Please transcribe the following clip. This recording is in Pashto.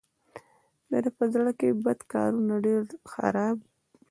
د ده په زړه کې بد کارونه دي ډېر خراب.